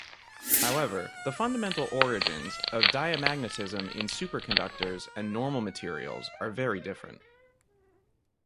However, the fundamental origins of diamagnetism in superconductors and normal materials are very different.